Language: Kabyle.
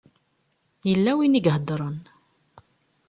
Yella win i iheddṛen.